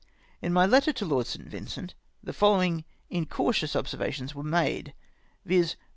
Li my letter to Lord St. Vincent, the following in cautious observations were made, viz.